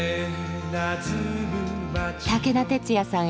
武田鉄矢さん